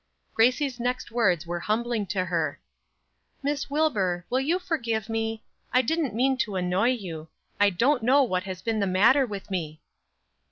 Gracie's next words were humbling to her: "Miss Wilbur, will you forgive me? I didn't mean to annoy you. I don't know what has been the matter with me."